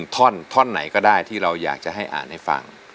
๑ท่อนท่อนไหนก็ได้ที่เราอยากให้ให้ฟัง